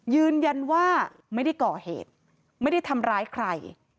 ยืนยันว่าไม่ได้ก่อเหตุไม่ได้ทำร้ายใคร